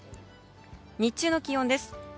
日中の気温です。